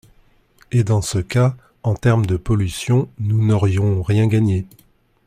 Et dans ce cas, en termes de pollution, nous n’aurions rien gagné.